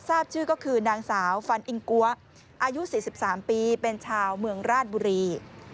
ทราบชื่อก็คือนางสาวฟันอิงกัวอายุ๔๓ปีเป็นชาวเมืองราชบุรี